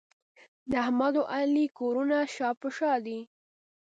د احمد او علي کورونه شا په شا دي.